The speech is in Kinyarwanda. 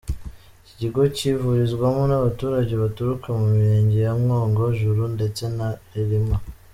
Iki gigo kivurizwamo n’abaturage baturuka mu mirenge ya Mwogo, Juru ndetse na Rilima.